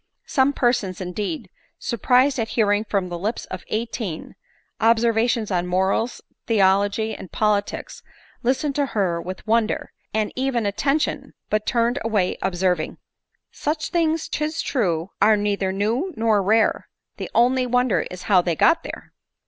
Some persons, indeed, surprised 30 ADELINE MOWBRAY. at hearing from the lips of eighteen, observations on morals, theology, and politics, listened to her with won der, and even attention, but turned away, observing —" Such things, 'tis true are neither new nor rare, The only wonder is how they got there